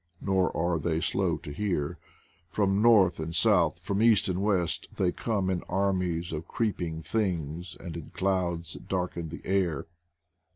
Nor are they slow to hear. From north and south, from east and west, they come in armies of creep ing things and in clouds that darken the air.